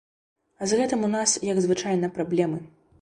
А з гэтым у нас, як звычайна, праблемы.